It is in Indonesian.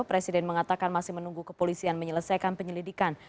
presiden mengatakan masih menunggu kepolisian menyelesaikan penyelidikan